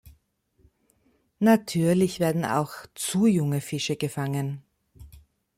Natürlich werden auch zu junge Fische gefangen.